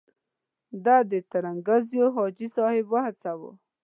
ده د ترنګزیو حاجي صاحب وهڅاوه.